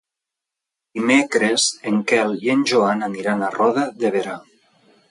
Dimecres en Quel i en Joan aniran a Roda de Berà.